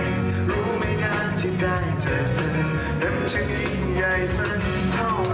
รู้มั้ยงานที่ได้เจอเธอนั้นฉันยิ่งใหญ่สักเท่าไหร่